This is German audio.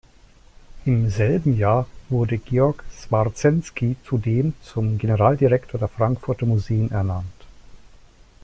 Im selben Jahr wurde Georg Swarzenski zudem zum Generaldirektor der Frankfurter Museen ernannt.